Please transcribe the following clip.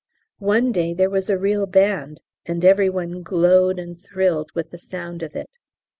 One day there was a real band, and every one glowed and thrilled with the sound of it.